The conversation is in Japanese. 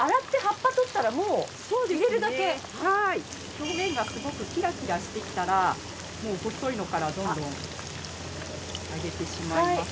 表面がすごくキラキラしてきたら細いのからどんどん上げてしまいます。